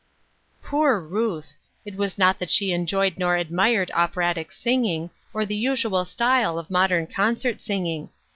Poor Ruth ! It was not that she enjoyed or admired operatic singing, or the usual style of modern concert singing.